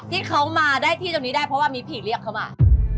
ที่เขามาได้ที่ตรงนี้ได้เพราะว่ามีผีเรียกเขามา